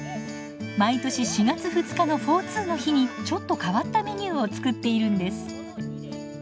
毎年４月２日のフォーツーの日にちょっと変わったメニューを作っているんです。